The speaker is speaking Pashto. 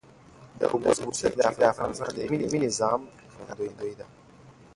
د اوبو سرچینې د افغانستان د اقلیمي نظام ښکارندوی ده.